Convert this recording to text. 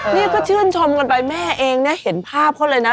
นี่ก็ชื่นชมกันไปแม่เองเนี่ยเห็นภาพเขาเลยนะ